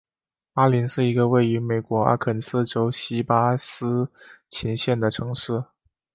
巴林是一个位于美国阿肯色州锡巴斯琴县的城市。